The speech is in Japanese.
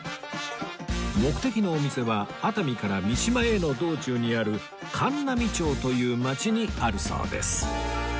目的のお店は熱海から三島への道中にある函南町という町にあるそうです